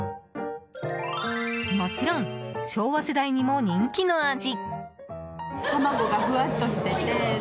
もちろん、昭和世代にも人気の味。